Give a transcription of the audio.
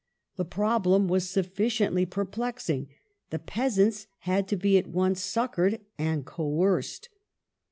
The problem was sufficiently peiplexing : the peasants had to be at once succoured and coerced.